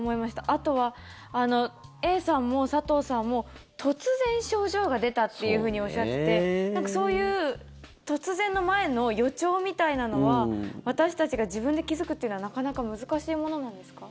あとはＡさんも佐藤さんも突然、症状が出たっていうふうにおっしゃっていてそういう突然の前の予兆みたいなのは私たちが自分で気付くというのはなかなか難しいものなんですか？